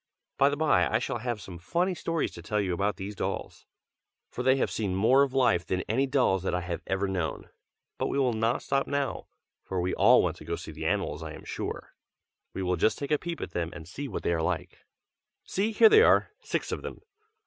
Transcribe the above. By and by I shall have some funny stories to tell you about these dolls, for they have seen more of life than any dolls that I have ever known, but we will not stop now, for we all want to go and see the animals, I am sure. We will just take a peep at them and see what they are like. See, here they are, six of them.